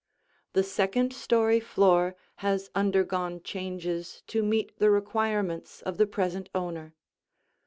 The second story floor has undergone changes to meet the requirements of the present owner.